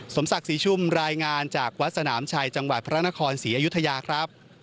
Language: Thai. สมศักดิ์ศรีชุมรายงานจากวัดสนามชัยจังหวัดพระนครศรีอยุธยาครับ